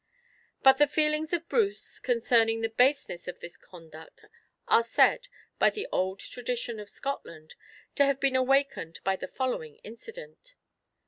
But the feelings of Bruce concerning the baseness of this conduct, are said, by the old tradition of Scotland, to have been awakened by the following incident.